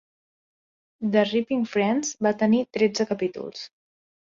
"The Ripping Friends" va tenir tretze capítols.